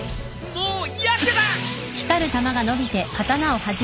もうやけだ！